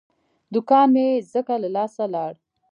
دوکان مې ځکه له لاسه لاړ.